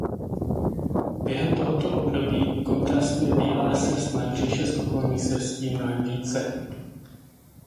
Během tohoto období kontrastuje bílá srst na břiše s okolní srstí mnohem více.